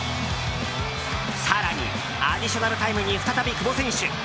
更にアディショナルタイムに再び久保選手！